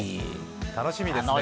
楽しみですね。